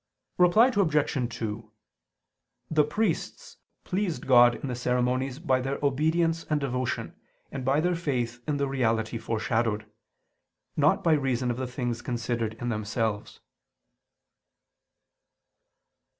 Reply Obj. 2: The priests pleased God in the ceremonies by their obedience and devotion, and by their faith in the reality foreshadowed; not by reason of the things considered in themselves.